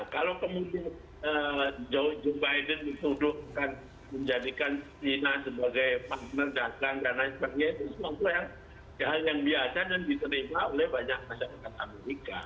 kalau kemudian joe joe biden dituduhkan menjadikan china sebagai partner dagang dan lain sebagainya itu sesuatu yang biasa dan diterima oleh banyak masyarakat amerika